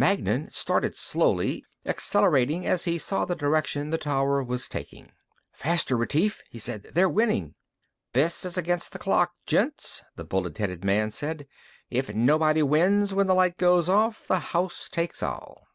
Magnan started slowly, accelerated as he saw the direction the tower was taking. "Faster, Retief," he said. "They're winning." "This is against the clock, gents," the bullet headed man said. "If nobody wins when the light goes off, the house takes all."